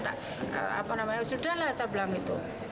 apa namanya sudah lah saya bilang itu